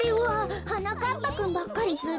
はなかっぱくんばっかりずるい！